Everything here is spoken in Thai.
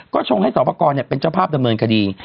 ก็ชงให้สอบประกอบเป็นเจ้าภาพดำเนินคดี